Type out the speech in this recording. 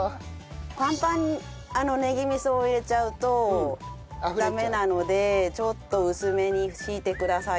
パンパンにねぎ味噌を入れちゃうとダメなのでちょっと薄めに敷いてください。